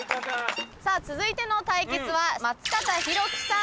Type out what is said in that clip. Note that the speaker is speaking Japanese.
さぁ続いての対決は松方弘樹さん